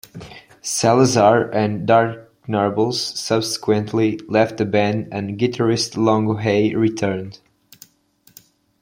Salazar and Dardknarbles subsequently left the band, and guitarist Longo Hai returned.